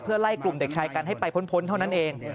ไล่กลุ่มเด็กชายกันให้ไปพ้นเท่านั้นเอง